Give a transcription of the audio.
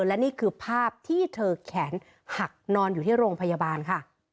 และนี่คือภาพที่เธอแขนหักนอนอยู่ที่โรงพยาบาลค่ะ